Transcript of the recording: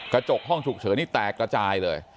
กระจกห้องฉุกเฉินนี่แตกระจายเลย